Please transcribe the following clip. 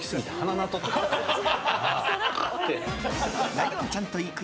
ライオンちゃんと行く！